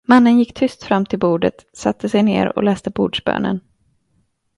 Mannen gick tyst fram till bordet, satte sig ner och läste bordsbönen.